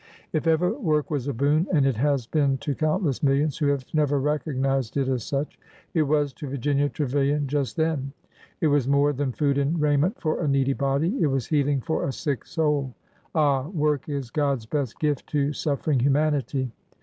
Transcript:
If ever work was a boon, — and it has been to countless millions who have never recognized it as such,— it was to Virginia Trevilian just then. It was more than food and raiment for a needy body, it was healing for a sick soul. Ah ! work is God^s best gift to suffering humanity